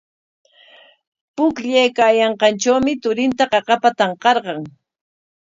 Pukllaykaayanqantrawmi turinta qaqapa tanqarqan.